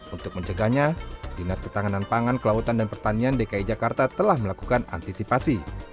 untuk mencegahnya dinas ketahanan pangan kelautan dan pertanian dki jakarta telah melakukan antisipasi